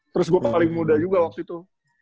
terus gue paling muda juga waktu itu